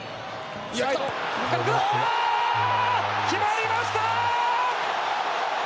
決まりました！